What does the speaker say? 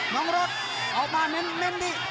น้องรถเอามาเม้นดิ